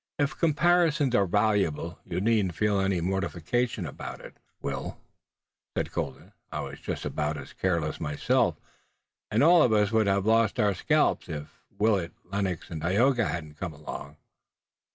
"If comparisons are valuable you needn't feel any mortification about it, Will," said Colden. "I was just about as careless myself, and all of us would have lost our scalps, if Willet, Lennox and Tayoga hadn't come along."